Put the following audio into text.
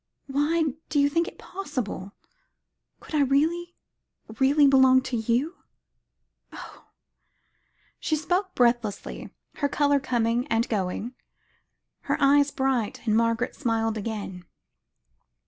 Why do you think it is possible? Could I really, really belong to you? Oh!" She spoke breathlessly, her colour coming and going, her eyes bright, and Margaret smiled again.